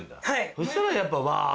そしたらやっぱ。